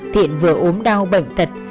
thiện vừa ốm đau bệnh thật